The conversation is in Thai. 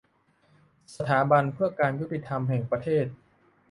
สถาบันเพื่อการยุติธรรมแห่งประเทศ